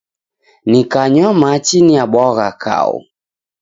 Nikanywa machi niabwagha kau.